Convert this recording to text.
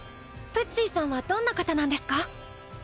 プッツィさんはどんな方なんですか？